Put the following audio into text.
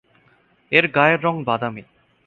এর গায়ের রং বাদামী।